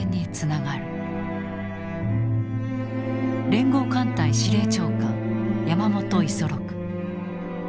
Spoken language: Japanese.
連合艦隊司令長官山本五十六。